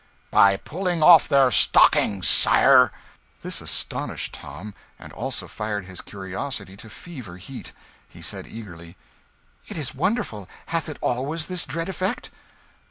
"By pulling off their stockings, sire." This astonished Tom, and also fired his curiosity to fever heat. He said, eagerly "It is wonderful! Hath it always this dread effect?"